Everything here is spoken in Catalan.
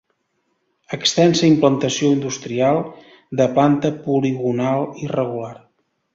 Extensa implantació industrial, de planta poligonal irregular.